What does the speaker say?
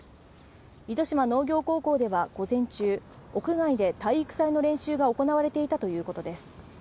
糸島農業高校では午前中、屋外で体育祭の練習が行われていたということです。